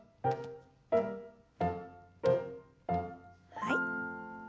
はい。